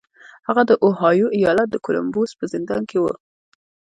هغه د اوهايو ايالت د کولمبوس په زندان کې و.